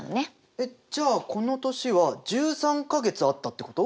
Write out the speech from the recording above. えっじゃあこの年は１３か月あったってこと？